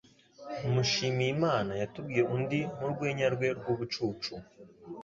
Mushimiyimana yatubwiye undi murwenya rwe rwubucucu